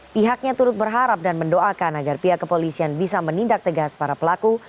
pihaknya turut berharap dan mendoakan agar pihak kepolisian bisa menindak tegas para pelaku